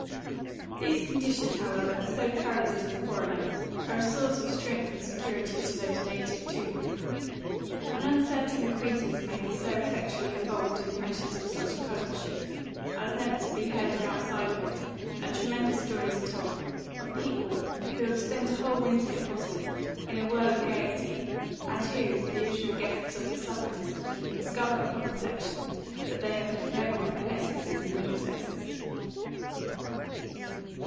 These conditions, however, so perilous to the foreigner, are a source of strength and security to those native to them. An uncertain acquaintance may be so effectually involved in the meshes of such a cousinship, as never to be heard of outside of it and tremendous stories are told of people who have spent a whole winter in Boston, in a whirl of gaiety, and who, the original guests of the Suffolks, discover upon reflection that they have met no one but Essexes and Middlesexes.